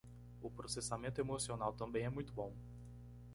O processamento emocional também é muito bom